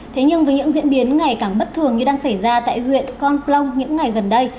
thế nhưng với những diễn biến ngày càng bất thường như đang xảy ra tại huyện con plong những ngày gần đây